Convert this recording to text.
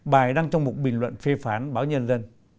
bài đăng trong một bình luận phê phán báo nhân dân